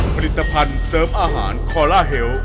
ผลิตภัณฑ์เสริมอาหารคอลลาเฮล